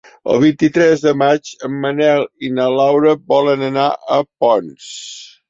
El vint-i-tres de maig en Manel i na Laura volen anar a Ponts.